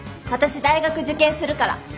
私大学受験するから。